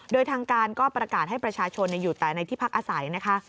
โดยทางการก็ประกาศให้ประชาชนอยู่แต่ในที่พักอาศัยนะคะ